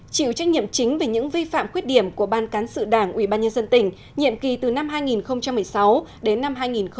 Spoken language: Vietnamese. chịu trách nhiệm chính về những vi phạm khuyết điểm của ban cán sự đảng ủy ban nhân dân tỉnh nhiệm kỳ từ năm hai nghìn một mươi sáu đến năm hai nghìn một mươi bảy